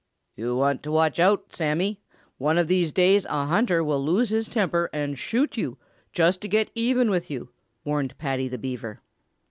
"You want to watch out, Sammy. One of these days a hunter will lose his temper and shoot you, just to get even with you," warned Paddy the Beaver.